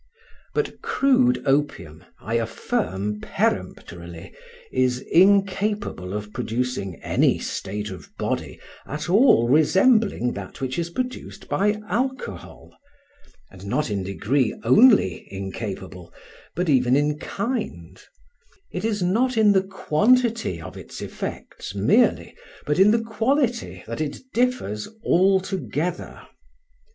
But crude opium, I affirm peremptorily, is incapable of producing any state of body at all resembling that which is produced by alcohol, and not in degree only incapable, but even in kind: it is not in the quantity of its effects merely, but in the quality, that it differs altogether.